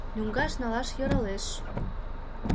Лӱҥгаш налаш йӧралеш...